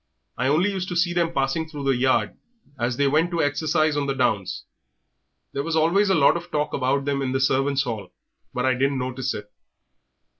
I only used to see them passing through the yard as they went to exercise on the downs. There was always a lot of talk about them in the servants' hall, but I didn't notice it.